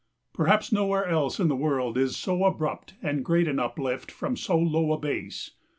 Perhaps nowhere else in the world is so abrupt and great an uplift from so low a base.